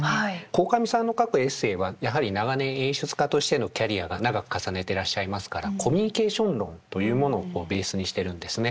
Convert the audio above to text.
鴻上さんの書くエッセーはやはり長年演出家としてのキャリアが長く重ねてらっしゃいますからコミュニケーション論というものをベースにしてるんですね。